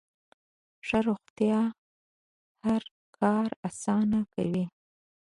ښه روغتیا هر کار اسانه کوي.